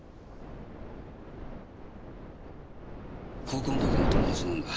高校の時の友達なんだ。